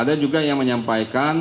ada juga yang menyampaikan